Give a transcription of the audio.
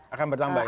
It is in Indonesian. akan bertambah ya